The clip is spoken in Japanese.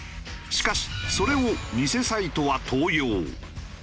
しかしそれを偽サイトは盗用。